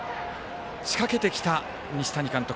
仕掛けてきた西谷監督。